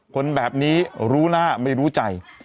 คนแบบนี้รู้หน้าไม่รู้ใจ